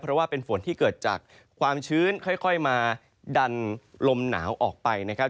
เพราะว่าเป็นฝนที่เกิดจากความชื้นค่อยมาดันลมหนาวออกไปนะครับ